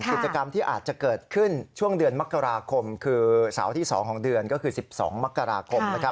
กิจกรรมที่อาจจะเกิดขึ้นช่วงเดือนมกราคมคือเสาร์ที่๒ของเดือนก็คือ๑๒มกราคม